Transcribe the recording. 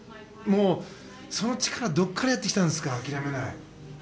その力はどこからやってきたんですか諦めない。